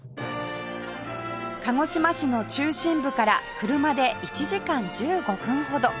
鹿児島市の中心部から車で１時間１５分ほど